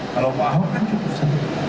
kalau pak ahok kan cukup satu